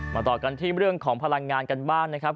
ต่อกันที่เรื่องของพลังงานกันบ้างนะครับ